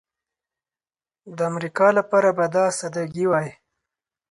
د امریکا لپاره به دا سادګي وای.